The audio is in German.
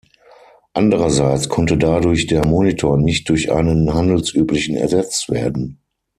Andererseits konnte dadurch der Monitor nicht durch einen handelsüblichen ersetzt werden.